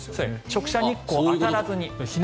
直射日光が当たらずに。